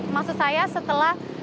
maksud saya setelah